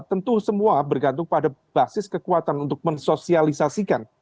tentu semua bergantung pada basis kekuatan untuk mensosialisasikan